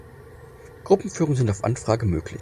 Gruppenführungen sind auf Anfrage möglich.